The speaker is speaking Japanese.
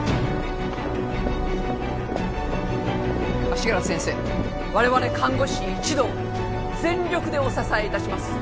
足柄先生我々看護師一同全力でお支え致します。